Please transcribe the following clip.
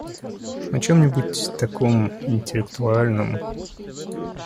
О чем-нибудь таком, интеллектуальном.